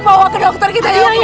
bawa ke dokter kita ya